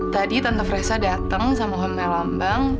tadi tante fresa dateng sama om melambang